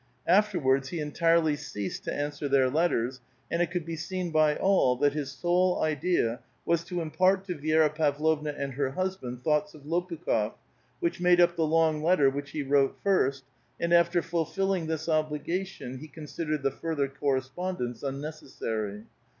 Afterwards he entirely ceased to answer their letters, and it could be seen by all that his sole idea was to impart to Vi6ra Pavlovna and her hus band thoughts of Lopukli6f, which made up the long letter which he wrote first, and after fulfilling this obligation he considered the further correspondence unnecessar}